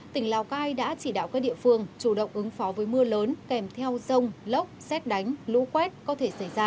tỉnh lào cai đã chỉ đạo các địa phương chủ động ứng phó với mưa lớn kèm theo rông lốc xét đánh lũ quét có thể xảy ra